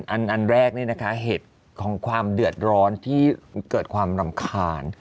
อันแรกนี่นะคะเหตุของความเดือดร้อนที่เกิดความรำคาญ